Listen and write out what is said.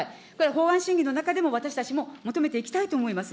法案審議の中でも、私たちも求めていきたいと思います。